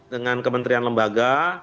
dengan kementerian lembaga